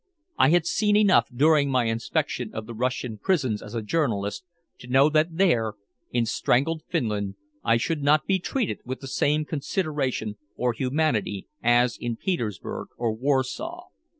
I had seen enough during my inspection of the Russian prisons as a journalist to know that there, in strangled Finland, I should not be treated with the same consideration or humanity as in Petersburg or Warsaw.